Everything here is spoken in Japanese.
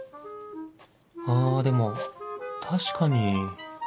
あでも確かに